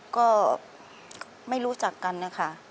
ก็ไม่รู้จักกันนะคะ